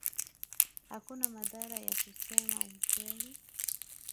Hakuna madhara ya kusema ukweli